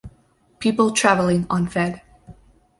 People traveling on Fed.